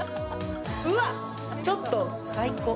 うわっ、ちょっと最高。